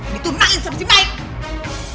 diturnain sama si baik